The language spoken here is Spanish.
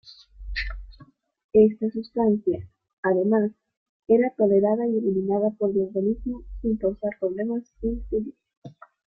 Esta sustancia, además, era tolerada y eliminada por el organismo sin causar problemas ulteriores.